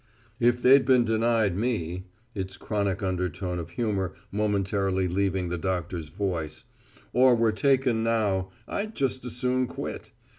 "If they'd been denied me," its chronic undertone of humor momentarily leaving the doctor's voice, "or were taken now I'd just as soon quit.